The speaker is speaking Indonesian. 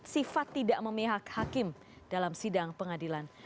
sifat tidak memihak hakim dalam sidang pengadilan